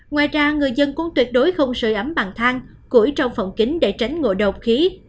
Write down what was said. ngoài ra người dân cũng tuyệt đối không sửa ấm bằng thang củi trong phòng kính để tránh ngộ độc khí